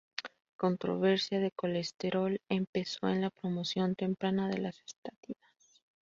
La controversia de colesterol empezó en la promoción temprana de las estatinas.